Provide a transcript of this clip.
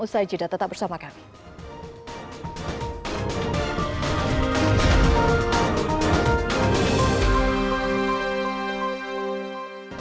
ustaz acizah tetap bersama kami